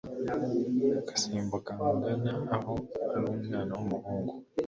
ngasimbuka ngana aho ariumwana w'umuhungu